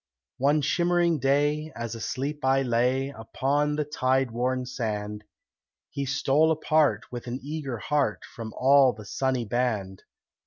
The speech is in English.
One shimmering day, as asleep I lay Upon the tide worn sand, He stole apart, with an eager heart, From all the sunny band.